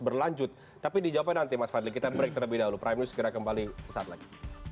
berlanjut tapi dijawabkan nanti mas fadli kita break terlebih dahulu prime news segera kembali sesaat lagi